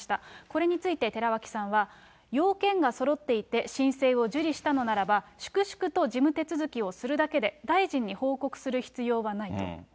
これについて寺脇さんは、要件がそろっていて、申請を受理したのならば、粛々と事務手続きをするだけで大臣に報告する必要はないと。